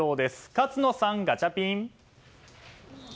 勝野さん、ガチャピン。